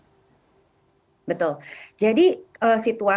jadi situasi di mana kita tidak mampu memilah milah mana biaya hidup kita